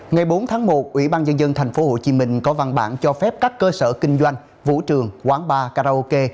ngày bốn tháng một ubnd tp hcm có văn bản cho phép các cơ sở kinh doanh vũ trường quán bar karaoke